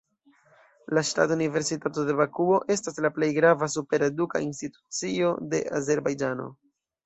La Ŝtata Universitato de Bakuo estas la plej grava supera eduka institucio de Azerbajĝano.